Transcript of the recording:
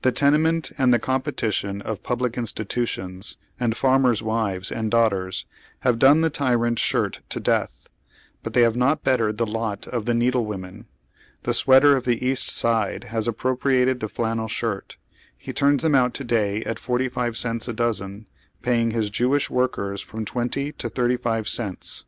The tenement and the competition of public institu tions and farmers' wives and daughters, have done the tyrant shirt to death, but thej have not bettered the lot of the needle women. The sweater of the East Side has appropriated the flannel shirt. He turns them ont to day at forty five cents a dozen, paying his Jewisli workers from twenty to thirty five cents.